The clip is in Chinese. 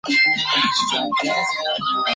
后者称为安全性限制。